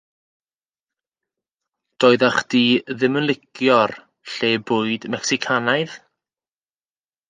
Doeddach chdi ddim yn licio'r lle bwyd Mecsicanaidd?